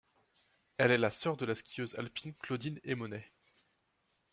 Elle est la sœur de la skieuse alpine Claudine Emonet.